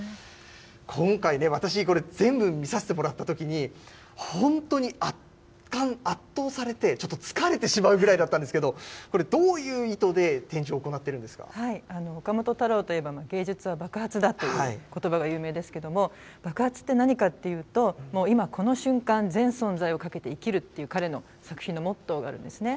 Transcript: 今回ね、私これ、全部、見させてもらったときに、本当に圧巻、圧倒されて、ちょっと疲れてしまうぐらいだったんですけど、どういう意図で展示を行っているんで岡本太郎といえば、芸術は爆発だということばが有名ですけれども、爆発って何かっていうと、今、この瞬間、全存在をかけて生きるという彼の作品のモットーがあるんですね。